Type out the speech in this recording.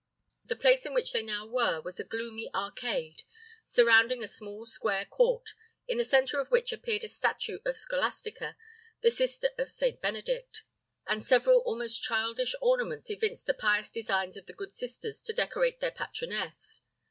The place in which they now were was a gloomy arcade, surrounding a small square court, in the centre of which appeared a statue of Scholastica, the sister of Saint Benedict; and several almost childish ornaments evinced the pious designs of the good sisters to decorate their patroness.